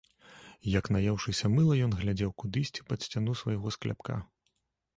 Як наеўшыся мыла ён глядзеў кудысьці пад сцяну свайго скляпка.